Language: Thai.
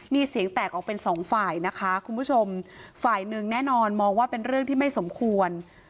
มีเสียงแตกออกเป็นสองฝ่ายนะคะคุณผู้ชมฝ่ายหนึ่งแน่นอนมองว่าเป็นเรื่องที่ไม่สมควร